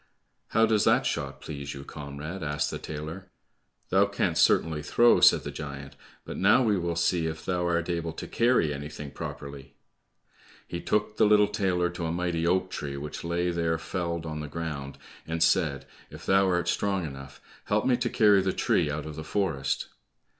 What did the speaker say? "How does that shot please you, comrade?" asked the tailor. "Thou canst certainly throw," said the giant, "but now we will see if thou art able to carry anything properly." He took the little tailor to a mighty oak tree which lay there felled on the ground, and said, "If thou art strong enough, help me to carry the tree out of the forest."